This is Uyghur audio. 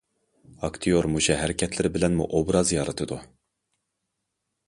ئاكتىيور مۇشۇ ھەرىكەتلىرى بىلەنمۇ ئوبراز يارىتىدۇ.